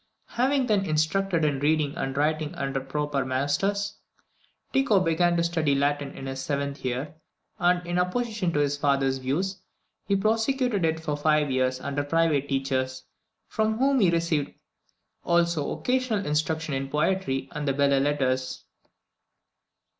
Having been instructed in reading and writing under proper masters, Tycho began the study of Latin in his seventh year; and, in opposition to his father's views, he prosecuted it for five years under private teachers, from whom he received also occasional instruction in poetry and the belles lettres.